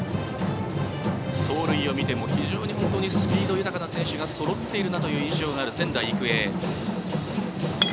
走塁を見ても非常にスピード豊かな選手がそろっているなという印象がある仙台育英。